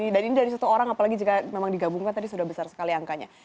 dan ini dari satu orang apalagi jika memang digabungkan tadi sudah besar sekali angkanya